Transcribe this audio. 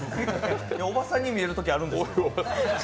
おばさんに見えることがあるんです。